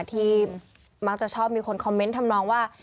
ที่มักจะชอบมีคนคอมเมนต์ทำนองว่า